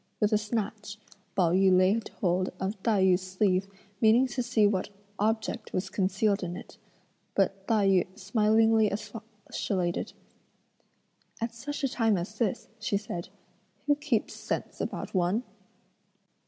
With a snatch, Pao yü laid hold of Tai yü's sleeve meaning to see what object was concealed in it; but Tai yü smilingly expostulated: "At such a time as this," she said, "who keeps scents about one?"